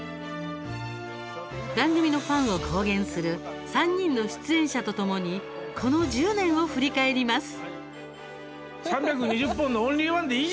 番組のファンを公言する３人の出演者とともにこの１０年を振り返ります。